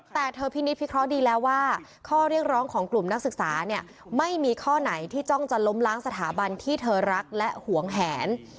แต่เธอพินิษพิเคราะห์ดีแล้วว่าข้อเรียกร้องของกลุ่มนักศึกษาเนี่ยไม่มีข้อไหนที่จ้องจะล้มล้างสถาบันที่เธอรักและหวงแหน